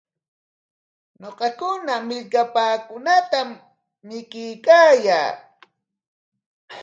Ñuqakuna millkapaakunatam mikuykaayaa.